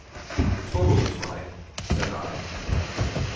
"The total is right," said I.